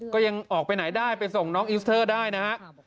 ก็ยังออกไปไหนได้ไปส่งน้องอิสเตอร์ได้นะฮะ